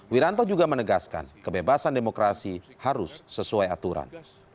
wiranto juga menegaskan kebebasan demokrasi harus sesuai aturan